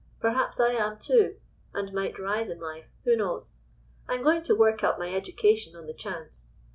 Perhaps I am, too, and might rise in life; who knows? I'm going to work up my education on the chance.